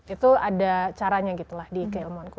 itu ada caranya gitu lah di keilmuanku